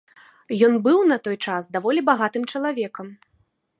Ён быў на той час даволі багатым чалавекам.